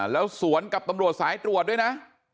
แล้วสวนกับตำรวจสายตรวจด้วยนะ